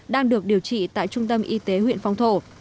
đang được điều trị tại trung tâm y tế huyện phong thổ